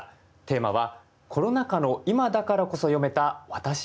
テーマは「コロナ禍の今だからこそ詠めた私の一首」です。